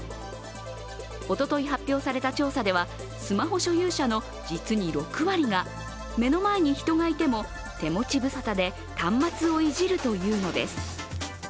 おととい発表された調査では、スマホ所有者の実に６割が目の前に人がいても手持ちぶさたで端末をいじるというのです。